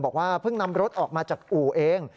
บอกว่าเพิ่งนำรถออกมาจากอู่เอง